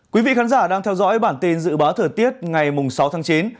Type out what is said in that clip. quý vị khán giả đang theo dõi bản tin dự báo thời tiết ngày sáu tháng chín